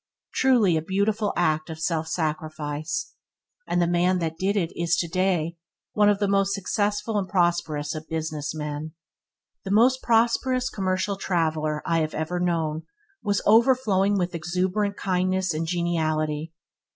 Truly a beautiful act of self sacrifice; and the man that did it is, today, one of the most successful and prosperous of business men. The most prosperous commercial traveler I have ever known, was overflowing with exuberant kindness and geniality.